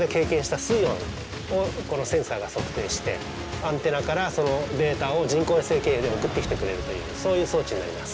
アンテナからそのデータを人工衛星経由で送ってきてくれるというそういう装置になります。